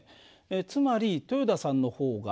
つまり豊田さんの方が。